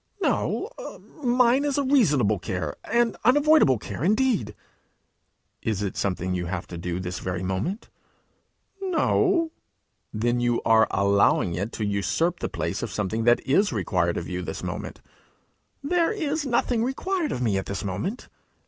'No; mine is a reasonable care an unavoidable care, indeed!' 'Is it something you have to do this very moment?' 'No.' 'Then you are allowing it to usurp the place of something that is required of you this moment!' 'There is nothing required of me at this moment.'